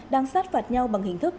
đang sát phạt nhau bằng hình thức